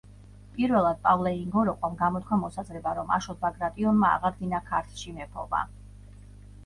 პირველად პავლე ინგოროყვამ გამოთქვა მოსაზრება, რომ აშოტ ბაგრატიონმა აღადგინა ქართლში მეფობა.